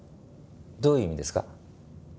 どういう意味ですか？